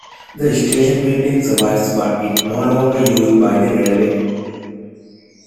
The station building survives but is no longer used by the railway.